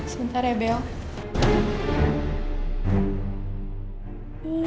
sebentar ya bella